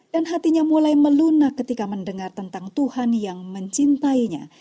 dan hatinya mulai melunak ketika mendengar tentang tuhan yang mencintainya